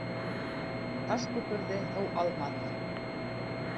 Таш күперҙе һыу алмаҫ.